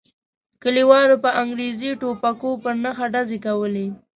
کلیوالو په انګریزي ټوپکو پر نښه ډزې کولې.